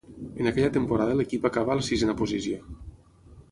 En aquella temporada l'equip acaba a la sisena posició.